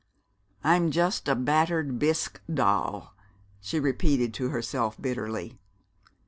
"I'm just a battered bisque doll!" she repeated to herself bitterly.